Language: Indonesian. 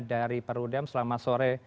dari perudem selamat sore